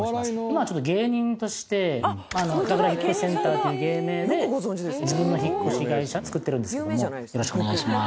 今はちょっと芸人としてたかくら引越センターという芸名で自分の引越し会社つくってるんですけどもよろしくお願いします